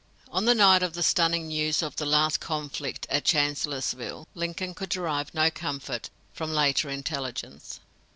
On the night of the stunning news of the last conflict at Chancellorsville, Lincoln could derive no comfort from later intelligence.